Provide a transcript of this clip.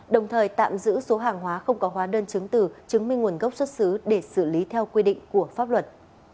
đồng thời tạm giữ số hàng hóa không có hóa đơn chứng từ chứng minh nguồn gốc xuất xứ để xử lý theo quy định của pháp luật